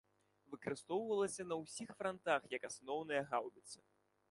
Выкарыстоўвалася на ўсіх франтах як асноўная гаўбіца.